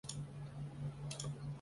而且超满载